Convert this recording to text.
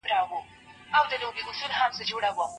پوهه د ټولنې پرمختګ تضمینوي.